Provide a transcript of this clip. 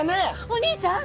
お兄ちゃん